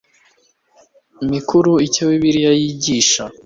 mikuru Icyo Bibiliya yigisha